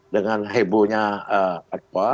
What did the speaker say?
dengan hebohnya apa